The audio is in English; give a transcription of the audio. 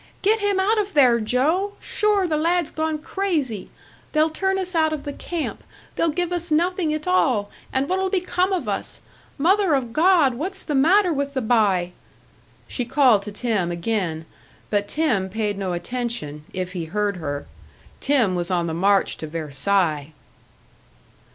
"Get him out of there, Joe! Sure, the lad's gone crazy! They'll turn us out of the camp, they'll give us nothin' at all and what'll become of us? Mother of God, what's the matter with the b'y?" She called to Tim again; but Tim paid no attention, if he heard her. Tim was on the march to Versailles!